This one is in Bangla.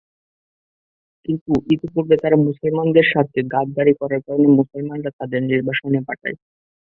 কিন্তু ইতোপূর্বেই তারা মুসলমানদের সাথে গাদ্দারী করার কারণে মুসলমানরা তাদেরকে নির্বাসনে পাঠায়।